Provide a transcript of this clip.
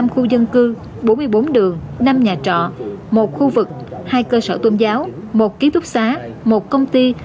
một mươi khu dân cư bốn mươi bốn đường năm nhà trọ một khu vực hai cơ sở tôn giáo một ký túc xá một công ty